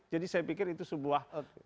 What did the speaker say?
jadi saya pikir itu sebuah